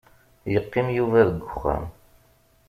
Yeqqim Yuba deg uxxam.